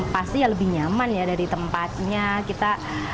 pasti lebih nyaman dari tempatnya